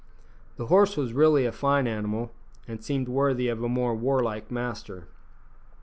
The horse was really a fine animal, and seemed worthy of a more warlike master.